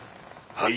はい。